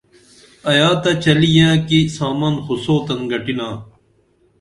ایا تہ چلی ییاں کی سامن خو سوتن گٹِنا